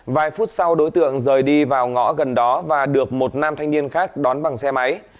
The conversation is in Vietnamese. vài phút sau đối tượng rời đi vào ngõ gần đó và được một nam thanh niên khác đón bằng xe máy